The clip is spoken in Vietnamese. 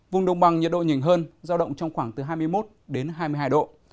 vùng đồng bằng nhiệt độ nhìn hơn giao động trong khoảng từ hai mươi một đến hai mươi hai độ